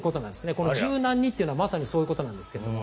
この柔軟にというのはまさにそういうことなんですが。